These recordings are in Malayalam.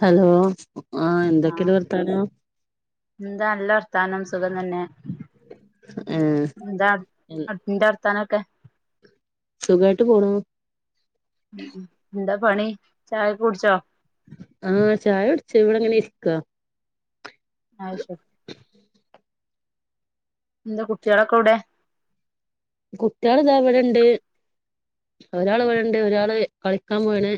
ഹലോ ആഹ് എന്തൊക്കെണ്ട് വർത്താനം എന്താ നല്ല വർത്താനം സുഖം തന്നെ ആഹ എന്താ അന്റെ വർത്താനൊക്കെ സുഖമായിട്ട് പോണു ഉ എന്താ പണി ചായ കുടിച്ചോ ആഹ ചായ കുടിച്ച് ഇവിടെ അങ്ങനെ ഇരിക്കുവ ആ ശരി പിന്നെ കുട്ടികളൊക്കെ എവിടെ കുട്ടികൾ ഇത് അവിടെണ്ട് ഒരാൾ ഇവിടെണ്ട് ഒരാള് കളിക്കാൻ പോയണ്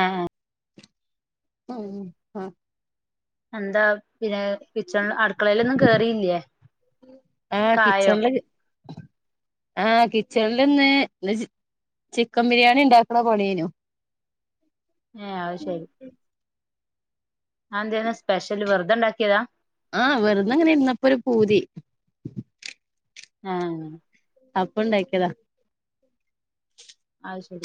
ആഹ ആ ഉം എന്താ പിന്നെ കിച്ചെണ് അടുക്കളയിലൊന്നും കേറിയില്ലേ ആഹ് ഒക്കെ ആയോ കിച്ചനില് ആ് കിച്ചണിലന്ന് ചിക്കൻ ബിരിയാണി ഉണ്ടാക്കണ പണിയനു ആ അത് ശരി ആ എന്തേ ത് സ്പെഷ്യൽ വെറുതെ ഉണ്ടാക്കിയതാ ആഹ് വെറുതെ അങ്ങനെ ഇരുന്നപ്പൊ ഒരു പൂതി ആഹ അപ്പ ഉണ്ടാക്കിയതാ അ ശരി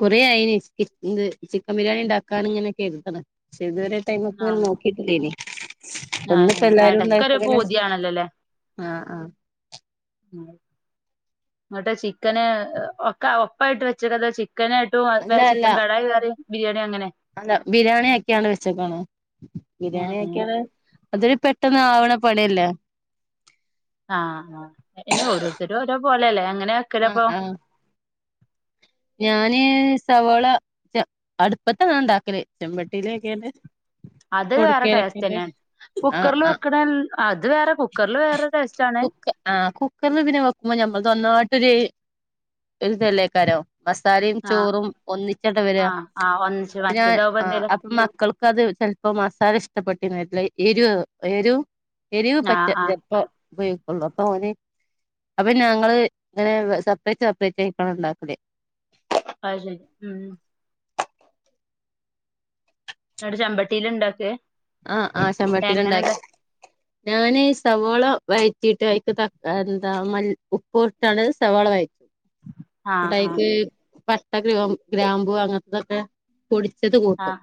കുറെ ആയിന് ഇത് ചിക്കൻ ബിരിയാണി ഉണ്ടാക്കൻ ഇങ്ങനെ കെടുത്തണം പക്ഷെ ഇതുവരെ ടൈം ഒക്കെ ഇങ്ങനെ ആഹ് നോക്കിട്ടില്ലേനപ്പ ആഹ് ഒന്നിപ്പോ എല്ലാരും എടക്കൊരു ഉണ്ടായപ്പൊത്തന്നെ പൂതിയാണല്ലോല്ലേ ആഹ ആഹ എന്നട്ട് ചിക്കന് ഒക്ക ഒപ്പായിട്ട് വെച്ചേക്ക അത ചിക്കനട്ട് അല്ല ചിക്കൻ അല്ല കടായി കറി ബിരിയാണി അങ്ങനെ അല്ല ബിരിയാണി ആക്കിയാണ് വെച്ചക്കാണ് ഏഹ് ബിരിയാണി ഏഹ് ആക്കിയത് അതൊരു പെട്ടെന്ന് ആവണ പണിയല്ല ആഹ് ആ പിന്നെ ഓരോരുത്തരും ഒരോ പോലെല്ലേ അങ്ങനെ ആഹ വെക്കലപ്പൊ ആഹ ഞാന് സവോള റ്റ അട്പ്പത്തെന്നാ ണ്ടാക്കല് ചെമ്പട്ടിയില ഒക്കെണ്ട്. അത് വേറെ ടേസ്റ്റെന്നെണ് ആഹ് കുക്കർല് ആഹ് വെക്ക്ണൻ അത് വേറെ കുക്കർല് വേറെ. ടേസ്റ്റ് ആണ് കുക്ക ആ കുക്കർല് പിന്നെ വെക്കുമ്പ ഞമ്മൾതൊന്നായ്ട്ടൊരെ ഒര്തല്ലേക്കാരം. മസാലിം ആഹ് ചോറും ഒന്നിച്ചണ്ട വര ആഹ് ആഹ് ഒന്നിച്ച് പിന്നാ മറ്റേതാവുമ്പോ അ എന്തേലും അപ്പ മക്കള്. ക്കത് ചെൽപ്പം മസാല ഇഷ്ടപ്പെട്ടിന്ന് വര്ല എരുഏ എരു എരിവ് പറ്റ ആഹ് ആഹ് ചപ്പോ. ഉപയോഗിക്കൊള്ളൂ അപ്പോന്. അപ്പ ഞാങ്ങള് ങ്ങനെ വെ സപ്പറേറ്റ് സപ്പറേറ്റ് ആയിക്കണ ണ്ടാക്കലേ. അത് ശയ് ഉം. ന്നട് ചമ്പട്ടില്ണ്ടാക്കേ. ആഹ് ആഹ് ചെമ്പട്ടില്ണ്ടാക് ഞാന് സവാള വഴറ്റിട്ട് അയ്ക് ത എന്താ മൽ ഉപ്പുട്ടാണ് സവോള വഴ ആഹ് ആഹ് ട്ടൈക്ക് പട്ട ഗ്രൂ ഗ്രാമ്പു അങ്ങൻത്തതൊക്കെ. പൊടിച്ചത് കൂട്ടും ആഹ്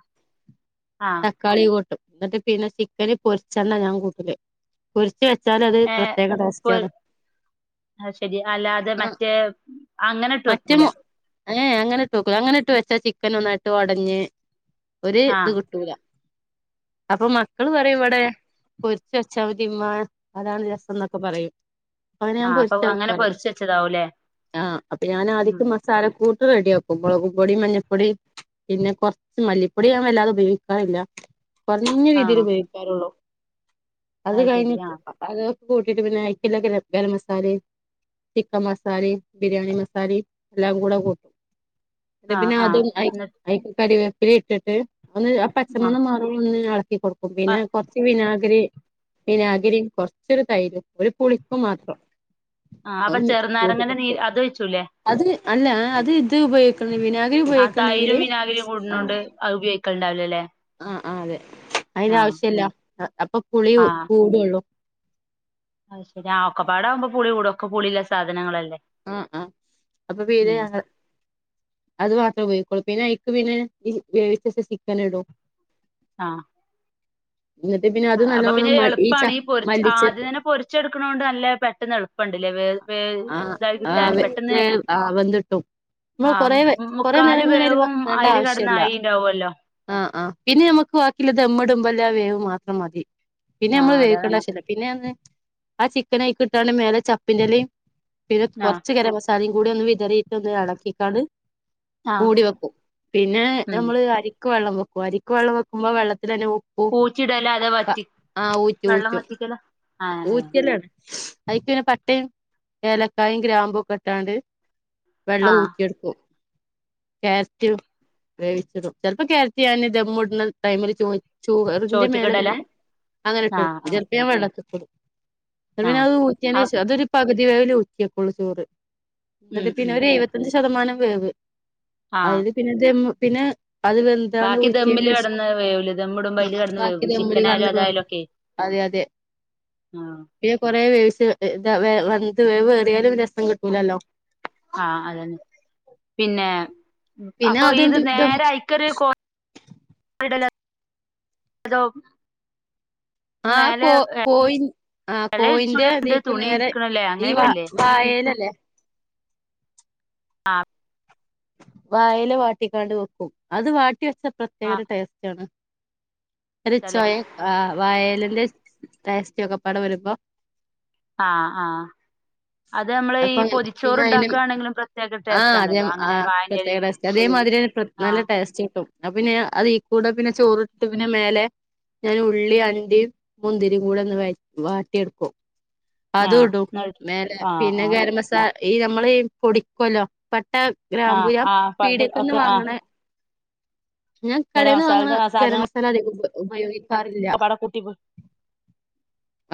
ആഹ് തക്കാളി കൂട്ടും. ന്നട്ട് പിന്നെ ചിക്കന് പൊര്ച്ചണ്ടാ ഞാകൂട്ടല്. പൊര്ച്ച് വെച്ചാലത് പ്രത്യേക ടേസ്റ്റാണ്. അ ശരി അല്ലാതെ ആഹ് മറ്റേ. അങ്ങനെ ഇട്ട് മറ്റേ വെക്കൂല മു ഏ എ അങ്ങനെട്ട് വെക്കുല അങ്ങനെട്ട് വെച്ചാ ചിക്കൻ ഒന്നായിട്ട് ഒടഞ്ഞ്. ഒര് ത് ആഹ് കിട്ടൂല അപ്പ മക്കള് അത് പറയും ശരി വടെ. പൊര്ച്ചെച്ചാ മതിമ്മാ അതാണ് രസംന്നൊക്കെ പറയും. അ ഞാൻ ആഹ് അപ്പൊ പൊരിച്ച അങ്ങനെ വെക്കാറ് പൊരിച്ച് വെച്ചതാവൂല്ലേ ആഹ് അപ്പ ഉം ഞാനാദിക്ക് മ സാല കൂട്ട് റെഡ്യാക്കും മൊളക് പൊടി മഞ്ഞപൊടി. പിന്നെ കൊർച്ച് മല്ലിപ്പൊടി ഞാ വല്ലാതെ ഉപയോഗിക്കാറില്ല. കൊർഞ്ഞ രീതില് ആഹ് ഉപയോഗിക്കാറുള്ളൂ അത് ശരി കഴിഞ്ട്ട് ആഹ് അ. അതൊക്കെ കൂട്ടിട്ട് പിന്നെ അയ്ക്ക്ല്ല ഗരം ഗരമസാലെ ചിക്കം മസാലെ ബിരിയാണി മസ സാലിം എല്ലാം കൂടെ കൂ ട്ട് ആഹ് ആഹ് പിന്നതും എന്നിട്ട് ഐ ഐക് കരിവേപ്പിലി ഇട്ട്ട്ട് ഒന്ന് ആ ആഹ് പച്ചമണ്ണം മാറുന്ന് എള ക്കി കൊടുക്കും ആ പിന്നെ കൊർച്ച് വിനാഗിരി. വിനാഗിരി കൊർച്ചൊരു തൈര് ഒരു പുളിപ്പു മാത്രം. ആഹ് അപ്പ ഒന്ന് കൂട്ടി ചെർനാരങ്ങൻ്റെ കൊടുക്കും നീര് അതൊയ്ച്ചുലേ. അത് അല്ല ഏ അത് ഇത് ഉപയോഗിക്കണ വിനാ ആഹ് തൈരും വിനാഗിരിയും കൂടുന്നോണ്ട് അ ഉപയോഗിക്കൽണ്ടാവില്ല ലേ. ആഹ് ആഹ് അതെ അയ്ൻ്റാവശ്യല്ല അ അപ്പ പുളി കൂടുള്ളൂ. അശരി ആഹ് ഒക്കപ്പാട ആവുമ്പൊ പുളികൂടു ഒക്ക പുളില്ല സാധനങ്ങളല്ലേ. ഉം ഉം അപ്പൊ വീരെ ഉം ഞങ്ങ അത് മാത്രം ഉപയോഗിക്കോളും പിന്നയ്ക്ക് പിന്നെ ഇ വേവിച്ചച്ച ചിക്കനിടും. ആഹ്. ന്നട്ട് പിന്നെ. അ അത് അപ്പ നല്ലോണം പിന്നെ മ എളുപ്പാണ് ച ഈ പൊര് മല്ലിച്ച ആദ്യം തന്നെ പൊര്ച്ചെടുക്കണോണ്ട് നല്ല പെട്ടെന്ന് എളു പ്പണ്ട്ലേ വേ വേ ആഹ് തായികിട്ടാന് ആഹ് പെട്ടെന്ന്. ആഹ് വെന്തിട്ടും നമ്മള് കൊറേ ആഹ് മ് കൊറേ നേരം മുക്കാല് ഇങ്ങനെ ഇത് വേവും വെക്കേണ്ട അയ്ല് കട്ന്ന് ആവശ്യല്ല ആയീണ്ടാവ്വല്ലോ. ആഹ് ആഹ് പിന്നെ ഞമ്മക്ക് ബാക്കിള്ള ദമ്മ്ടുബല്ലാ വേവ് മാത്രം മതി പിന്നെ ആ നമ്മള് അതാണ് വേവിക്കണ്ടാവശ്യല്ല. പിന്നെ ആന്ന് ആ ചിക്കനയ്ക് ട്ടാണ്ട് മേലെ ചപ്പ്ൻ്റലിം പിന്നെ ആ കൊർച്ച് ഗരമസ സാലിം കൂട്യൊന്ന് വിതറിട്ടൊന്ന് എളക്കിക്കാണ്. ആ മൂടി വെക്കും പിന്നെ ഉം ഞമ്മള് അരിക്ക് വെള്ളം വെക്കും അരിക്ക് വെള്ളം വെക്കുമ്പ വെള്ളത്തിലെന്നെ ഊ ഉ പൂച്ചിടലാ അതോ പ്പ വറ്റി ആഹ് ഊറ്റു വെള്ളം ഊറ്റും. വറ്റിക്കലാ ആ ഊറ്റെലാണ് അയ്ക്ക്ന്നെ പട്ടെം ഏലക്കായും ഗ്രാമ്പും ഒക്കെട്ടാണ്ട്. വെള്ള ആ ഊറ്റി എട്ക്കു. കേരറ്റ് വേവിച്ചിടും പെൽപ്പ കേരറ്റ് ഞന് ദമ്മ്ട്ണ ടൈമില് ചോ ചൂറിന്റെ ചോറ്റ്ക്കിടലാ മേലെങ്ങനെ ആ അങ്ങനെട്ടൊട്ക്കും ആ പെൽപ്പയാ വ വെള്ളത്ത്ക്ക്ടും. ന്നട് ആ പിന്നവ് ആ ഊറ്റ്യേൻ്റേശ അതൊരു പകുതി വേവ്‌ല് ഊറ്റിയക്കുള്ളൂ ചോറ് ഉം ന്നട്ട് പിന്നെ ഉം ഒരെയുവ ശതമാനം വേവ് ആഹ് അത് പിന്നെന്നെ അത് എതാണ് ബാക്കി ഉച്ച ദമ്മില് ശേഷം കെടന്ന് വേവൂലെ ദമ്മിടുമ്പോ അയില് കെടന്ന് വേവും ബാക്കിമ്മൂ ചിക്കനായാലും ക പോ അതായാലും ഒക്കെ അതെ അതെ ആഹ് പിന്നെ കൊറെേ വേ വ വേറിയാലും രസം കിട്ടൂലല്ലോ ആഹ് അതന്നെ പിന്നെ പിന്നെ അപ്പൊ ഇത് അത്ണ്ട് ദം നേരയി ചറിയ കോ അതോ ആഹ് മേലെ കോ കോയിൻ ആഹ് എല കോയിന്റെ വിരിച്ചുള്ളുണ്ട് അതിക്ക് തുണി നേരെ വിരിക്കണല്ലേ ഇ വ അങ്ങനെയൊക്കെല്ലേ വായലല്ലേ ആഹ് വായൽ വാട്ടിക്കാണ്ട് വെക്കും അത് വാട്ടി വെച്ച പ്രത്യേക ആഹ് ഒരു ടേസ്റ്റ് ആണ് ഒരു ചെലെ ചോയ ആഹ് വയലിന്റെ ടേസ്റ്റി ഒക്കെ പാട് വരുമ്പോ ആഹ് ആഹ് അത് നമ്മള് ഈ അപ്പൊ അങ്ങനെ പൊതിച്ചോറ് പിന്നെ അയിന് ഉണ്ടാക്കുകവാണെങ്കിലും പ്രത്യേക ആ ടേസ്റ്റ് അതേ ആണല്ലോ ആ അങ്ങനെ വായന്റെലേല് ആഹ് ട്ടും പിന്നെ അത് കൂടെ പിന്നെ ചോറിട്ടിട്ട് പിന്നെ മേലെ ഞാൻ ഉള്ളി അണ്ടിയും മുന്തിരിയും കൂടെ ഒന്ന് വ വാറ്റിയെടുക്കും അത ആഹ് ഇടും ന്നട്ട് വേ ആഹ് പിന്നെ ആഹ് ഗരം മസാല ഈ നമ്മള് പൊടിക്കല്ലോ പട്ട ഗ്രാപൂ ആഹ് ഞാൻ ആഹ് പണ്ട് പീടിയൊക്കെന്ന് ഒക്കെ ആഹ് വാങ്ങണ ഞാൻ ഗരം കടയിൽന്ന് വാങ്ങണ മസാലന്റെ ഗരമസാല സാധനങ്ങളൊക്കെ [unintelligible] ഉപയോഗിക്കാറില്ല [unintelligible]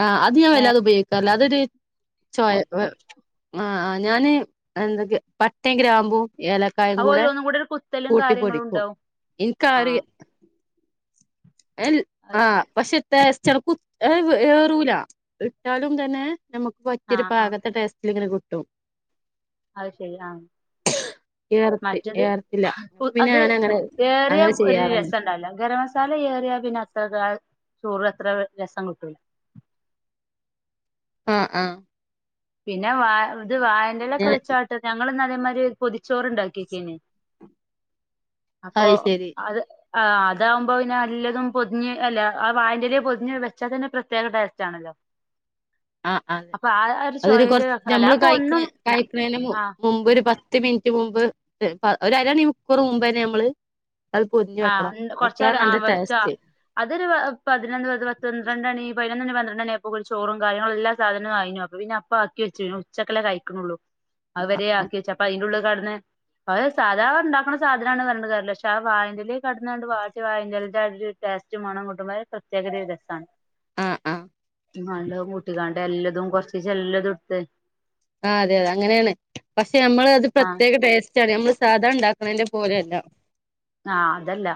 ആഹ് അത് ഞാൻ വല്ലാതത് ഉപയോഗിക്കാറില്ല അതത് ചൊയ ആഹ് ആഹ് ഞാന് എന്തൊക്ക പട്ടയും ഗ്രാമ്പും ഏല കായം അത് കൂടെ ഒന്നും കൂടി ഒരു കുത്തലും കാര്യങ്ങളും കൂട്ടിപൊടിക്കും ഉണ്ടാവും എനിക്കറ ആഹ് എ അത് ശരി ആഹ് പക്ഷെ ടേസ്റ്റ് ആണ്ട് കു ഏറൂല ഇട്ടാലും തന്നെ നമുക്ക് പറ്റിയൊരു ആഹ് ആഹ് പാകത്തെ ടേസ്റ്റിലിങ്ങനെ കിട്ടും അത് ശരി ആഹ് ഏർത്തി മറ്റത് ഏർത്തില്ല അപ്പൊ പിന്നെ അത് ഞാൻ അങ്ങനെ ഏറിയ അങ്ങനെ ഒരു ചെയ്യാറുണ്ട് രസം ഉണ്ടാവൂല ഗരം മസ സാല ഏറിയ പിന്നെ അത്രക്ക് ആഹ് ചോറ് അത്ര രസം കിട്ടൂല ആഹ് ആഹ് പിന്നെ വ ഇത് വായന്റെലൊക്കെ ഞാൻ വെച്ചാട്ടെ ഞങ്ങളിന്ന് അതേമാതിരി ഒരു പൊതിച്ചോറ്ണ്ടാക്കി നോക്കീന് അപ്പോ അത് ശരി അത് ആഹ് അതാകുമ്പോ പിന്നെ എല്ലതും പൊതിഞ്ഞ് അല്ല ആഹ് വായന്റെലയിൽ പൊതിഞ്ഞ് വെച്ചാൽ തന്നെ പ്രത്യേക ടേസ്റ്റ് ആണല്ലോ [inaudible] അപ്പൊ ആഹ് ഒരു അതൊര് ചൊയയില് കൊറച്ച് അല്ല നമ്മള് അപ്പൊ കഴി ഒന്നും കഴിക്ക്ണേന്റെ ആ മുമ്പ് മുമ്പ് ഒരു പത്ത് മിനിറ്റ് മുമ്പ് ഒരര മണിക്കൂർ മുമ്പ് തന്നെ നമ്മള് അത് പൊതിഞ്ഞു ആഹ് വെക്കണം ഇണ്ട് അപ്പളാണ് കൊറച്ചേരം ആ അയ്‌ന്റെ വെച്ചാ ടേസ്റ്റ് അതൊരു പതിനൊന്ന് പന്ത്രണ്ടണി പതിനൊന്ന് മണി പന്ത്രണ്ട് മണി ആയപ്പോൾ കൊറച്ചു ചോറും കാര്യങ്ങളും എല്ലാ സാധനവും ആയീന്നു അപ്പോ പിന്നെ അപ്പാക്കി വെച്ചീനു ഉച്ചക്കല്ലേ കഴിക്കുന്നുള്ളൂ അത് ആഹ് വരെ ആഹ് ആക്കി വെച്ച് അപ്പൊ അതിന്റെ ഉള്ളിൽ കിടന്ന് ആഹ് സാധാ ഉണ്ടാക്കണ സാധനാന്ന് പറഞ്ഞിട്ട് കാര്യല്ല പക്ഷെ ആഹ് വായന്റെലെ കിടന്നാണ്ട് വാട്ട്യ വായന്റെലെന്റെ ആഹ് ഒരു ടേസ്റ്റും മണും കിട്ടുമ്പോ അതൊരു പ്രത്യേക രസമാണ് ആഹ് ആഹ് എല്ലാം കൂട്ടിക്കാണ്ട് എല്ലതും കൊറച്ചീചെ എല്ലതും ഇട്ട് ആഹ് അതെ അതെ അങ്ങനെയാണ് പക്ഷെ നമ്മൾ അത് ആഹ് പ്രത്യേക ടേസ്റ്റ് നമ്മള് സാധാ ഉണ്ടാക്കണേന്റെ പോലെയല്ല ആഹ് അതല്ല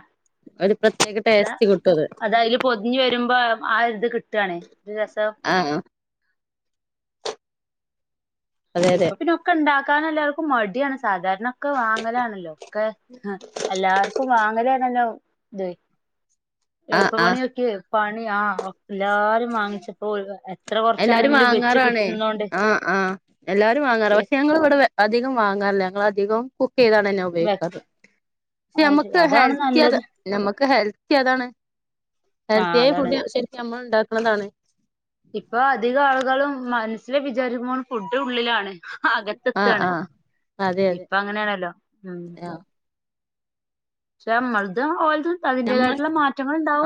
അതൊരു പ്രത്യേക ടേസ്റ്റ് കിട്ടും അത് അതയ്ല് പൊതിഞ്ഞു വരുമ്പോ ആഹ് ഒരു ഇത് കിട്ടാണേ ഒരു രസം ആഹ് ആഹ് അതെ അതെ ഇപ്പൊ പിന്നൊക്ക ഇണ്ടാക്കാൻ എല്ലാവർക്കും മടിയാണ് സാധാരണ ക്കെ വാങ്ങലാണല്ലോ ക്കെ ഏഹ് എല്ലാർക്കും വാങ്ങലാണല്ലോ ഇത് ആഹ് എളുപ്പ പ്പണി ആഹ് നോക്കി പണി ആഹ് എല്ലാരും വാങ്ങിച്ചപ്പോ എല്ലാരും കുറച്ചാണെങ്കിലും വെച്ച് വാങ്ങാറാണ് കിട്ടുന്നോണ്ട് ആഹ് ആഹ് എല്ലാരും വാങ്ങാറാ പക്ഷെ ഞങ്ങള് ഇവിടെ വെ അധികം വാങ്ങാറില്ല ഞങ്ങള് അധികോം കുക്ക് ചെയ്താണ്ടന്നെ ഉപയോഗിക്കാറ് ക്ഷെ നമ്മക്ക് അതാണ് ഹെൽത്തി അത് നല്ലത് നമ്മക്ക് ഹെൽത്തി അതാണ് ആ ഹെൽത്തിയായ അതാണ് ഫുഡ് ശരിക്കും നമ്മള് ഉണ്ടാക്കണതാണ് ഇപ്പൊ അധികം ആളുകളും മനസ്സില് വിചാരിക്കുമ്പോള് ഫുഡ് ഉള്ളിലാണ് ആഹ് അകത്തെത്താണ് ആഹ് അതെ അതെ ഇപ്പ അങ്ങനെയാണല്ലോ ഉം ആഹ് പക്ഷെ അമ്മളതും ഓൽതും നമ്മൾ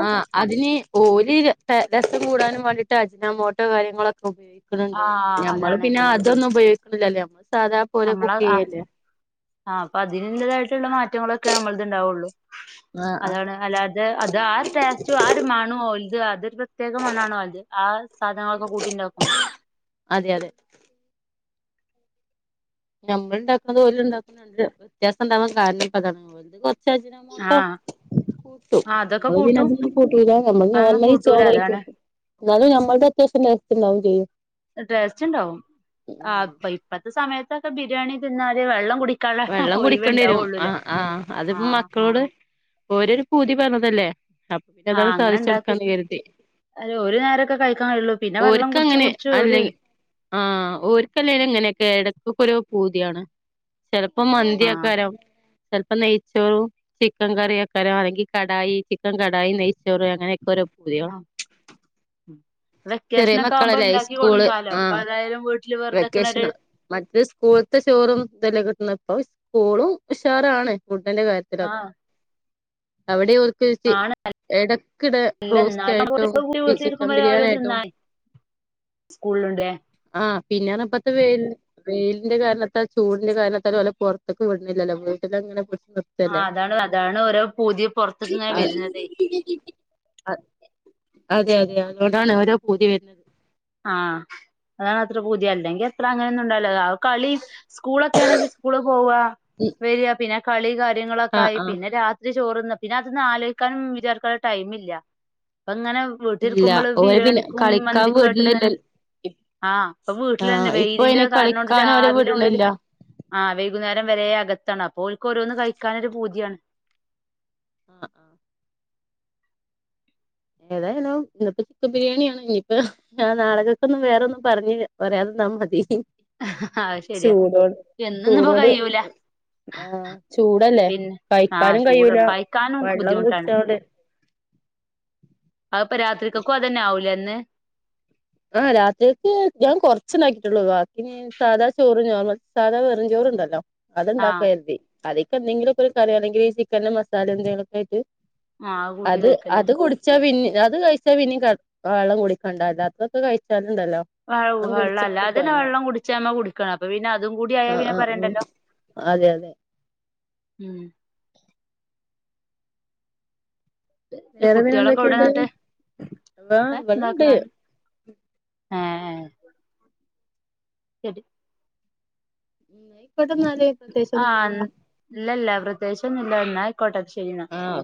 ആഹ് അതിന് ഓര് രസ രസം കൂടാനും വേണ്ടിയിട്ട് അജ്നാമോട്ടോ കാര്യങ്ങളൊക്കെ ഉപയോഗി ക്കണ് ണ്ട് ആ ഞമ്മള് അതാണ് പിന്നെ അതൊന്നും ഉപയോഗിക്കണില്ലല്ലോ നമ്മള് സാധാ പോലെ നമ്മള് കുക്ക് ആഹ് ചെയ്യല്ലേ ആഹ് അപ്പൊ അതിനുള്ളതായിട്ടുള്ള മാറ്റങ്ങളൊക്കെ നമ്മളത് ഉണ്ടാവുള്ളൂ ആഹ് ആഹ് അതാണ് അല്ലാ തെ അത് ആ ഒരു ടേസ്റ്റും ആ ഒരു മണോം ഓൽത് അതൊരു പ്രത്യേക മണാണ് ഓൽത് ആ സാധനങ്ങളൊക്കെ കൂട്ടിണ്ടാക്കും അതെ അതെ നമ്മള് ഉണ്ടാക്കുന്നതും ഓലുണ്ടാക്കുന്നതും വ്യത്യാസണ്ടാവാൻ കാരണം ഇപ്പൊ അതാണ് [unintelligible] ക്ഷേ അജിനോ മോട്ടോ ആഹ് കൂട്ടും ആഹ് അതൊക്കെ നമ്മള് പിന്നെ കൂട്ടും അതൊന്നും കൂട്ടൂല നമ്മള് അതൊന്നും നോർമലി കൂട്ടൂല ചോറ് കഴിക്കും അതാണ് എന്നാലും നമ്മൾടെ അത്യാവശ്യത്തിനു ടേസ്റ്റ് ഉണ്ടാവും ചെയ്യും ടേസ്റ്റ് ഉണ്ടാവും ആഹ് അപ്പൊ ഇപ്പത്തെ സമയത്തൊക്കെ ബിരിയാണി തിന്നാല് വെള്ളം കുടി വെള്ളം കുടിക്കേണ്ടി വരും ആഹ് ആഹ് അതിപ്പോ ആഹ് മക്കളോട് ഓര് പൂതി പറഞ്ഞതല്ലേ അപ്പൊ പിന്നെ ആഹ് അതങ്ങ് അങ്ങനെ സാധിച്ചു ഉണ്ടാക്കി കൊടുക്കാന്ന് കരുതി അല്ല ഒരു നേരോക്ക കഴിക്കാണെ ഉള്ളു പിന്നെ വെള്ളം കുടിച്ച് കുടിച്ചു ഒര് ആഹ് ഒർക്ക് അല്ലേലും ഇങ്ങനെയൊക്കെ എടക്കെക്കെ ഒരോ പൂതിയാണ് ചെലപ്പോ ആഹ് മന്തിയക്കാരം ചെലപ്പോ നെയ്ച്ചോറും ചിക്കൻ കറിയക്കാര അല്ലെങ്കി കടായി ചിക്കൻ കടായി നെയ്ച്ചോറ് അങ്ങനെ ക്കൊരോ പൂതിയോ ഉം വെക്കേഷനൊക്കെ ആവുമ്പോ ഉണ്ടാക്കി സ്കൂള് കൊടുക്കാലോ അപ്പൊ അതായാലും വീട്ടില് വെറുതെക്കണ ഒരു മറ്റെ സ്കൂള് [unintelligible] ചോറും ഇതല്ലേ കിട്ടണെ ഇപ്പൊ സ്കൂളും ഉഷാറാണ് ഫുഡിന്റെ ആഹ് കാര്യത്തിലൊക്കെ അവിടെയൊ [unintelligible] ആണ് എടക്കിടെ അല്ല റോസ്റ്റ് എന്നാലും ആയിട്ടും ബി ചിക്കൻ വീട്ടിലിരിക്കുമ്പോ ബിരിയാണി ആയിട്ടോ സ്കൂളിലുണ്ടേ ആഹ് പിന്നന്ന് ഇപ്പത്തെ വെയില് വെയിലിന്റെ കാരണത്താൽ ചൂടിന്റെ കാരണത്താല് ഇവലെ പൊറത്തെക്ക് വിടണില്ലല്ലോ വീട്ടിലങ്ങനെ [unintelligible] ആഹ് അതാണ് അതാണ് ഓരോ പൂതി പൊറത്ത്ക്ക് ഇങ്ങനെ വരുന്നതേ അ അതെ അതെ അതുകൊണ്ടാണ് ഓരോ പൂതി വരുന്നത് ആഹ് അതാണ് അത്ര പൂതിയല്ലെങ്കി അത്ര അങ്ങന ഒന്നും ഉണ്ടാവൂല അതാവു കളി സ്കൂളൊക്കെ ആണെങ്കി സ്‌കൂളി പോവുക വരിക പിന്നെ കളി കാ ര്യങ്ങളെക്കെ ആഹ് ആയി ആഹ് പിന്നെ രാ [unintelligible] ചോറ്ന്ന് പിന്ന അതൊന്ന് ആലോചിക്കാനും വിചാരിക്കാള്ള ടൈം ഇല്ല അപ്പ ഇങ്ങനെ ഇല്ല വീട്ടിരിക്കുമ്പള് ഓര് പിന്നെ ബിരിയാണിക്കും കളിക്കാൻ മന്തി വിടുന്നില്ല ട്ടിങ്ങനെ ആഹ് അപ്പൊ വീട്ടിലന്നെ ആഹ് ഇപ്പൊ വെയിലിന്റെ അയിന് കാരണം കൊണ്ട് കളിക്കാൻ ഓരെ രാവിലെ മൊതല് വിടണില്ല ആഹ് വൈകുന്നേരം വരെ അകത്താണ് അപ്പോ ഒരിക്ക് ഓരോന്ന് കഴിക്കാനൊരു പൂതിയാണ് ആഹ് ആഹ് ഏതായാലും ഇന്നിപ്പം ചിക്കൻ ബിരിയാണിയാണ് ഇനിപ്പ ആഹ് നാടകക്കൊന്നും വേറൊന്നും പറഞ്ഞില്ല പറയാതിരുന്നാ മതി അത് ശരിയാ ചൂടോട് എന്നൊന്നും ചൂടോട് കഴിയൂല ആഹ് ചൂടല്ലേ പിന്നെ ആഹ് കഴിക്കാനും ചൂട് കഴൂല കഴിക്കാനും വെള്ളം കുച്ചോടെ അതപ്പ രാത്രിക്കൊക്കും അത് തന്നെ ആവൂല്ലെ എന്ന് ആഹ് രാത്രിയക്ക് ഞാൻ കോറച്ച് ഉണ്ടായിട്ട് ഉള്ളു ബാക്കിനി സാധാ ചോറ് ചോർമൽ സാധാ വെറും ചോറുണ്ടല്ലോ അത് ആഹ് ഉണ്ടാക്കാന്ന് കരുതി അതിക്ക് എന്തെങ്കിലൊക്കെ ഒരു കറി അണെങ്ക ചിക്കനും മസാല എന്തെങ്കിലുമോക്ക ആയിട്ട് ആഹ് കൂട്ടി അത് കഴിക്കല്ലേ അത് കൊടു കഴിച്ചാ പിന്ന അത് കഴിച്ചാ പിന്ന വെള്ളം കുടളിക്കണ്ടല്ലോ അതൊക്കെ കഴിച്ചാലുണ്ടല്ലോ വ വെള്ളം വെള്ളമല്ല കുടിച്ചങ്ങട് അതിനെ കൊഴങ്ങും വെള്ളം കുടിച്ചാമ്മ കുട അപ്പൊ പിന്നെ അതും കൂടി ആയാ ആഹ് പിന്നെ ആഹ് പറയണ്ടല്ലോ ആഹ് അതെ അതെ ഉം വേറെ പിന്നെ കുട്ടികളൊക്കെ എന്തൊക്കെയുണ്ട് ഇവിടെന്നിട്ടെ ആഹ് ഏഹ് ഇവിടെണ്ട് ഉണ്ടാക്കുന്ന ആഹ് ആഹ് ശരി എന്നാ ആയിക്കോട്ടെ എന്നാല് പ്രത്യേകിച്ചൊന്നുല്ലല്ലോ ആഹ് ഇല്ലല്ല പ്രത്യകിച്ചൊ ഇല്ല ഒന്നായിക്കോട്ടെ അത് ശരി എന്ന ആഹ്